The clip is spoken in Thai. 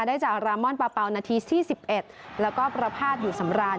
ได้จากลาม่อนปาเปานาทีที่สิบเอ็ดแล้วก็ประพาทหูสำราน